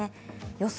予想